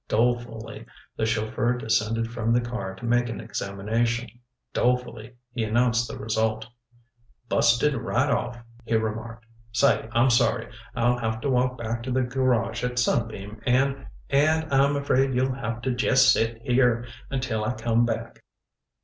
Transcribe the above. Dolefully the chauffeur descended from the car to make an examination. Dolefully he announced the result. "Busted right off," he remarked. "Say, I'm sorry. I'll have to walk back to the garage at Sunbeam and and I'm afraid you'll have to jest sit here until I come back."